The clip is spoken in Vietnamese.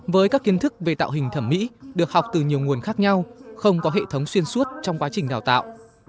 với các kiến thức về tạo hình thẩm mỹ được học từ nhiều nguồn khác nhau không có hệ thống xuyên suốt trong quá trình đào tạo